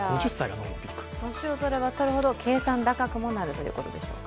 年をとればとるほど、計算高くもなるということでしょうか？